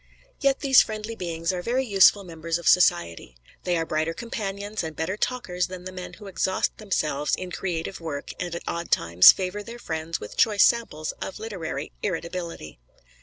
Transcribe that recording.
Yet these friendly beings are very useful members of society. They are brighter companions and better talkers than the men who exhaust themselves in creative work and at odd times favor their friends with choice samples of literary irritability.